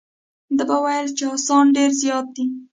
ده به ویل چې اسان ډېر زیات دي.